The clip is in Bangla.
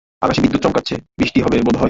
আকাশে বিদ্যুৎ চমকাচ্ছে, বৃষ্টি হবে বোধহয়।